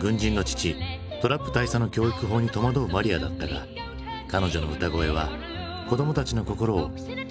軍人の父トラップ大佐の教育法に戸惑うマリアだったが彼女の歌声は子供たちの心を徐々に開いていく。